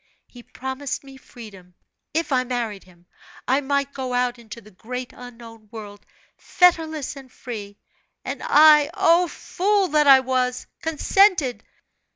He promised me freedom if I married him, I might go out into the great unknown world, fetterless and free; and I, O! fool that I was! consented.